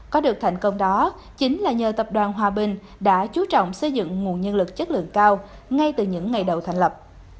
có được thành công đó chính là nhờ tập đoàn hòa bình đã chú trọng xây dựng nguồn nhân lực chất lượng cao ngay từ những ngày đầu thành lập